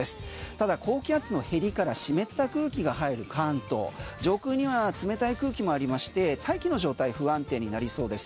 ただ、高気圧のへりから湿った空気が入る関東上空には冷たい空気もありまして大気の状態不安定になりそうです。